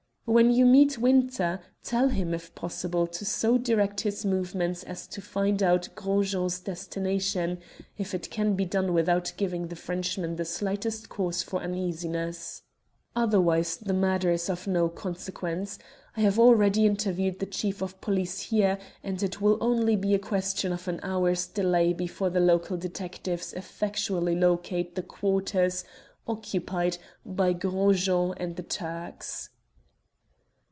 "When you meet Winter, tell him, if possible, to so direct his movements as to find out Gros Jean's destination, if it can be done without giving the Frenchman the slightest cause for uneasiness. Otherwise the matter is of no consequence. I have already interviewed the chief of police here, and it will only be a question of an hour's delay before the local detectives effectually locate the quarters occupied by Gros Jean and the Turks."